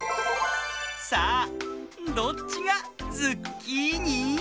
さあどっちがズッキーニ？